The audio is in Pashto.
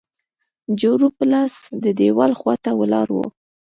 جارو په لاس د دیوال خوا ته ولاړ وو.